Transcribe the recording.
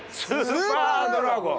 スーパードラゴン。